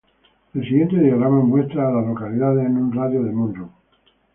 El siguiente diagrama muestra a las localidades en un radio de de Monroe.